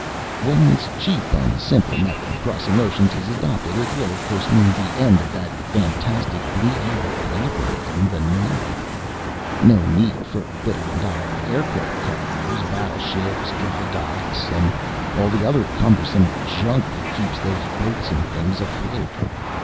"When this cheap and simple method of crossing oceans is adopted, it will of course mean the end of that fantastic medieval anachronism, the Navy. No need for billion dollar aircraft carriers, battleships, drydocks and all the other cumbersome junk that keeps those boats and things afloat.